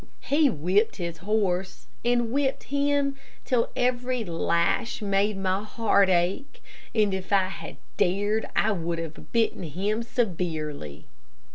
He whipped his horse, and whipped him, till every lash made my heart ache, and if I had dared I would have bitten him severely.